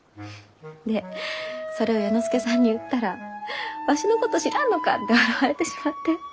でそれを弥之助さんに言ったらわしのこと知らんのかって笑われてしまって。